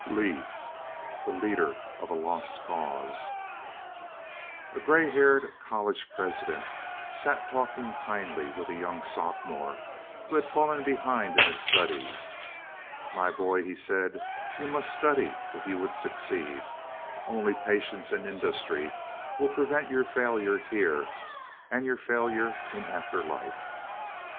LEE THE LEADER OF A LOST CAUSE A gray haired college president sat talking kindly with a young sophomore who had fallen behind in his studies. "My boy," he said, "you must study if you would succeed. Only patience and industry will prevent your failure here and your failure in after life."